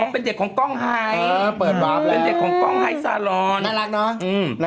เป็นเด็กของกล้องไฮเปิดว๊าบเฮ้อเป็นเด็กของกล้องไฮสอรอน